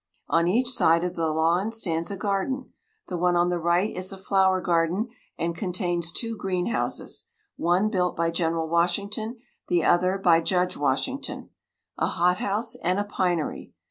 On each side of the lawn stands a garden; the one on the right is a flower garden, and contains two green houses, (one built by General Washington, the other by Judge Washington,) a hothouse, and a pinery.